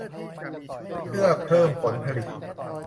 เพื่อเพิ่มผลผลิต